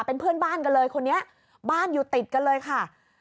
เป็นเพื่อนบ้านกันเลยคนนี้บ้านอยู่ติดกันเลยค่ะ